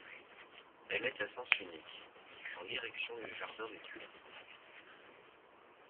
Elle est à sens unique, en direction du jardin des Tuileries.